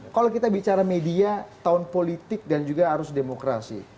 kalau kita bicara media tahun politik dan juga arus demokrasi